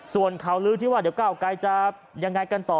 ส่วนข่าวลื้อที่ว่าเดี๋ยวก้าวไกรจะยังไงกันต่อ